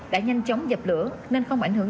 đã nhanh chóng dập lửa nên không ảnh hưởng